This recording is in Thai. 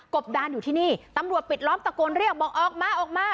บดานอยู่ที่นี่ตำรวจปิดล้อมตะโกนเรียกบอกออกมาออกมา